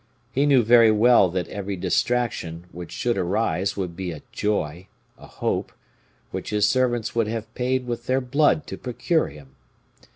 He knew very well that every distraction which should arise would be a joy, a hope, which his servants would have paid with their blood to procure him.